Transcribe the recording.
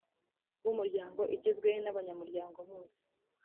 rw umuryango igizwe n abanyamuryango bose